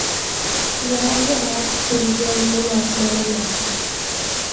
Йӧра, йӧра, пӧръеҥ улат манына.